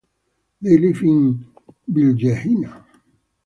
They live in Bijeljina.